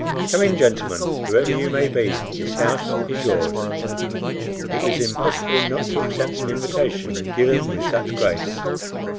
Come in, gentlemen, whoever you may be, this house is yours." It was impossible not to accept an invitation given with such grace.